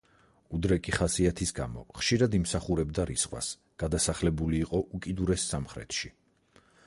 უდრეკი ხასიათის გამო ხშირად იმსახურებდა რისხვას, გადასახლებული იყო უკიდურეს სამხრეთში.